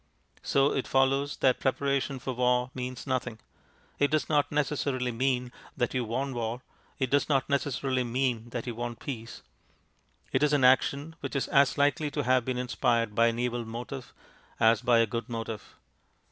_ So it follows that preparation for war means nothing; it does not necessarily mean that you want war, it does not necessarily mean that you want peace; it is an action which is as likely to have been inspired by an evil motive as by a good motive.